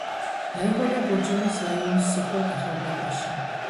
დაიბადა ბორჯომის რაიონის სოფელ ახალდაბაში.